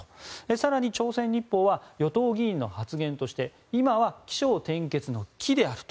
更に朝鮮日報は与党議員の発言として今は起承転結の起であると。